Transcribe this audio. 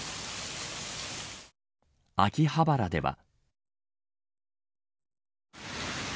秋葉原では。